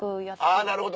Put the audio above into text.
あなるほど。